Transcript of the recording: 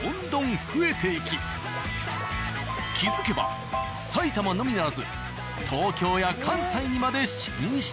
気付けば埼玉のみならず東京や関西にまで進出。